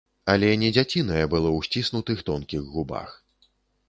Але не дзяцінае было ў сціснутых тонкіх губах.